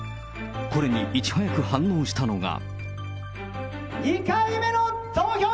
これにいち早く反応したのが。